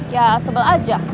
ya sebel aja